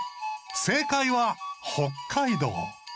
正解は北海道。